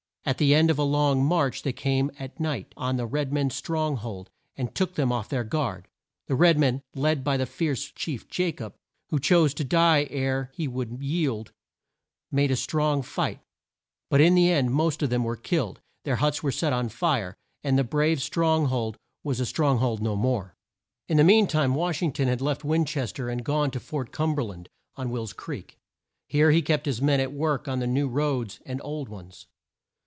At the end of a long march they came at night on the red men's strong hold, and took them off their guard. The red men, led by the fierce chief Ja cob, who chose to die ere he would yield, made a strong fight, but in the end most of them were killed, their huts were set on fire, and the brave strong hold was a strong hold no more. In the mean time Wash ing ton had left Win ches ter and gone to Fort Cum ber land, on Will's Creek. Here he kept his men at work on new roads and old ones.